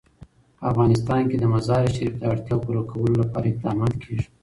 په افغانستان کې د مزارشریف د اړتیاوو پوره کولو لپاره اقدامات کېږي.